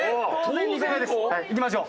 いきましょう。